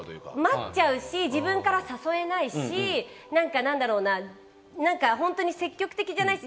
待っちゃうし、自分から誘えないし、本当に積極的じゃないし。